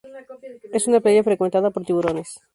Es una playa frecuentada por tiburones.